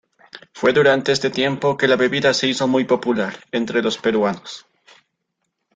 Fue durante este tiempo que la bebida se hizo muy popular entre los peruanos.